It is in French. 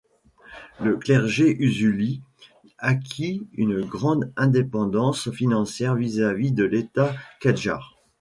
Le clergé usuli acquit une grande indépendance financière vis-à-vis de l'État Kadjar.